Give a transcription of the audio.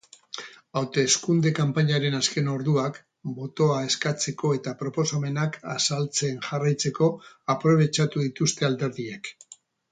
Hauteskunde-kanpainaren azken orduak botoa eskatzeko eta proposamenak azaltzen jarraitzeko aprobetxatu dituzte alderdiek.